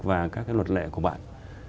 và các luật lệ của bạn